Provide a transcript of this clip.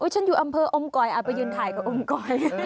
ฉันอยู่อำเภออมกอยเอาไปยืนถ่ายกับอมกอย